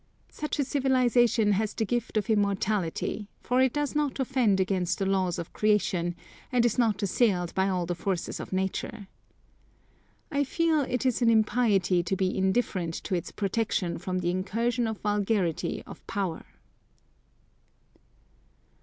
Such a civilisation has the gift of immortality; for it does not offend against the laws of creation and is not assailed by all the forces of nature. I feel it is an impiety to be indifferent to its protection from the incursion of vulgarity of power.